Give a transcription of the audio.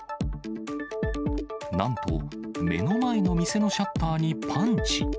なんと、目の前の店のシャッターにパンチ。